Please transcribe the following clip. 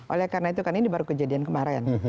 oleh karena itu kan ini baru kejadian kemarin